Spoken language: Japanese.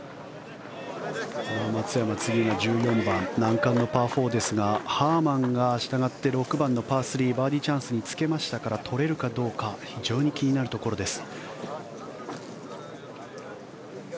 松山、次が１４番難関のパー４ですがハーマンがしたがって６番のパー３バーディーチャンスにつけましたから取れるかどうか非常に気になるところです。